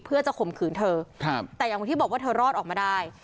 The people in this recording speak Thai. เพื่อจะข่มขืนเธอแต่อย่างที่บอกว่าเธอรอดออกมาได้